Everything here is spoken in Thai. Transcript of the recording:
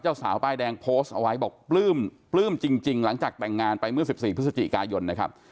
เจ้าสาวป้ายแดงโพสต์เอาไว้บอกปลื้มปลื้มจริงหลังจากแต่งงานไปเมื่อ๑๔พฤศจิกายนนะครับ